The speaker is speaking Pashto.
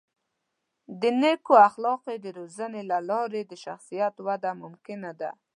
د نیکو اخلاقو د روزنې له لارې د شخصیت وده ممکنه ده.